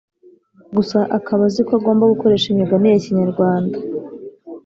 gusa akaba azi ko agomba gukoresha imigani ya kinyarwanda